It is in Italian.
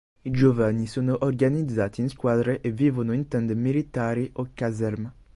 I giovani sono organizzati in squadre e vivono in tende militari o caserme.